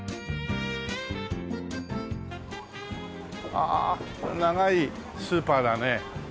ああ長いスーパーだね。